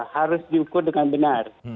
harus diukur dengan benar